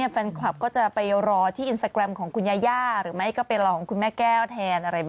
ตลอดเนื่องน่ารัก